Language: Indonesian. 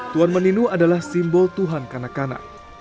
tuan meninu adalah simbol tuhan kanak kanak